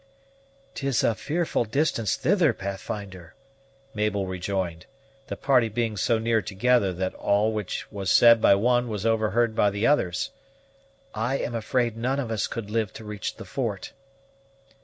"'Tis a fearful distance thither, Pathfinder!" Mabel rejoined, the party being so near together that all which was said by one was overheard by the others. "I am afraid none of us could live to reach the fort."